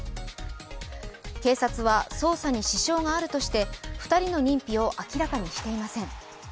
警察は捜査に支障があるとして２人の認否を明らかにしていません。